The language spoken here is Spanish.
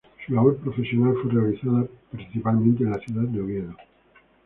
Su labor profesional fue realizada principalmente en la ciudad de Oviedo.